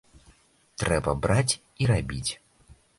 Трэба браць і рабіць.